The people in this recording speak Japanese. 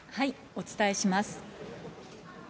お伝えします。